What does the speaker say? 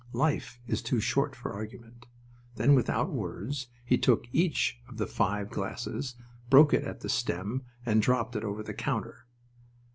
Life is too short for argument. Then, without words, he took each of the five glasses, broke it at the stem, and dropped it over the counter.